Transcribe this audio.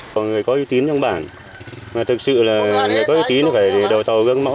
có người có uy tín trong bản mà thực sự là người có uy tín phải đầu tàu găng mõ